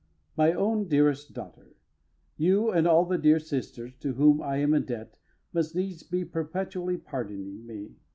_ MY OWN DEAREST DAUGHTER, You and all the dear Sisters to whom I am in debt must needs be perpetually pardoning me.